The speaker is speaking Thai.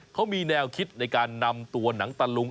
เขามีแนวคิดในการนำตัวหนังตะลุง